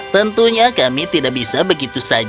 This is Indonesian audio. tentunya kami tidak bisa begitu saja